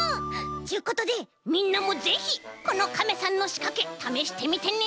ちゅうことでみんなもぜひこのカメさんのしかけためしてみてね。